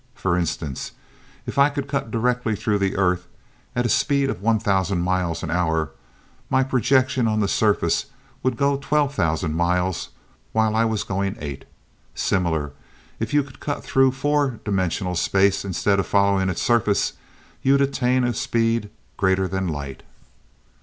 For instance, if I could cut directly through the Earth, at a speed of one thousand miles an hour, my projection on the surface would go twelve thousand miles while I was going eight. Similar, if you could cut through the four dimensional space instead of following its surface, you'd attain a speed greater than light."